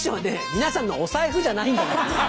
皆さんのお財布じゃないんだから。